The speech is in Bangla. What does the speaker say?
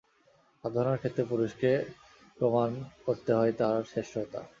সাধনার ক্ষেত্রে পুরুষকে প্রমাণ করতে হয় তার শ্রেষ্ঠতা।